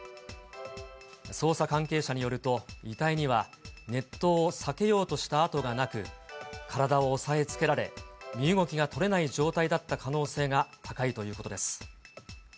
捜査関係者によると、遺体には、熱湯を避けようとした痕がなく、体を押さえつけられ、身動きが取れない状態だった可能性が高いということです。